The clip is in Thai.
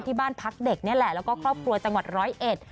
ที่บ้านพักเด็กนี่แหละแล้วก็ครอบครัวจังหวัด๑๐๑